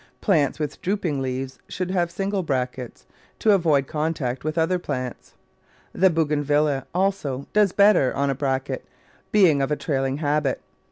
Plants with drooping leaves should have single brackets, to 208 Digitized by Google avoid contact with other plants. The Bougainvillea, also, does better on a bracket, being of a trailing habit.